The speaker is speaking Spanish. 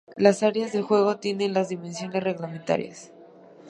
Las áreas de juego tienen las dimensiones reglamentarias.